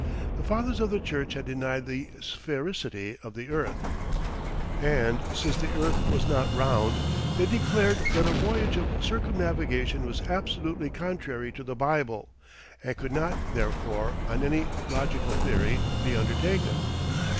The Fathers of the Church had denied the sphericity of the earth, and since the earth was not round they declared that a voyage of circumnavigation was absolutely contrary to the Bible, and could not therefore, on any logical theory, be undertaken.